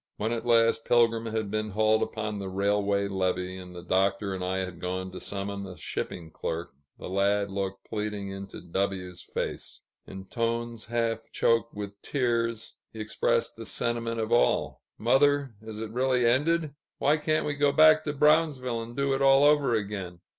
When at last Pilgrim had been hauled upon the railway levee, and the Doctor and I had gone to summon a shipping clerk, the lad looked pleadingly into W 's face. In tones half choked with tears, he expressed the sentiment of all: "Mother, is it really ended? Why can't we go back to Brownsville, and do it all over again?"